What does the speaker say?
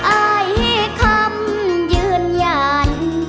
อ่ายให้คำยืนยาน